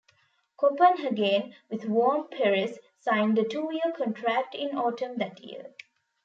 Copenhagen, with whom Perez signed a two-year contract in autumn that year.